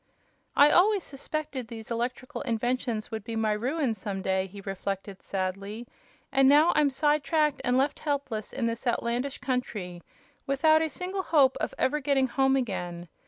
"I always suspected these electrical inventions would be my ruin some day," he reflected, sadly; "and now I'm side tracked and left helpless in this outlandish country, without a single hope of ever getting home again.